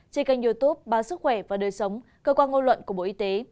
trên kênh youtube báo sức khỏe và đời sống cơ quan ngôn luận của bộ y tế